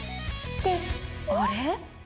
ってあれ？